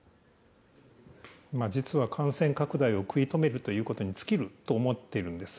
実は、感染拡大を食い止めるということに尽きると思っています。